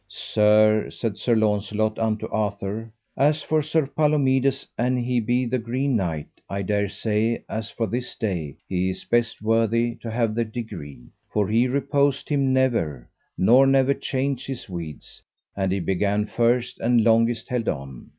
Sir, said Sir Launcelot unto Arthur, as for Sir Palomides an he be the green knight I dare say as for this day he is best worthy to have the degree, for he reposed him never, nor never changed his weeds, and he began first and longest held on.